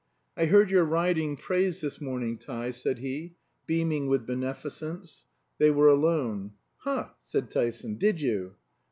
"I heard your riding praised this morning, Ty," said he, beaming with beneficence. They were alone. "Ha!" said Tyson, "did you?"